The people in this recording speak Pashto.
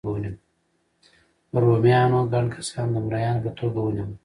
رومیانو ګڼ کسان د مریانو په توګه ونیول.